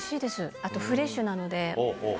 あとフレッシュなので。